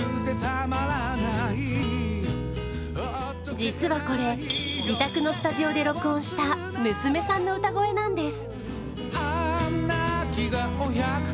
実はこれ、自宅のスタジオで録音した娘さんの歌声なんです。